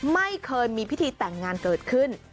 ไม่เคยมีพิธีแต่งงานเกิดขึ้น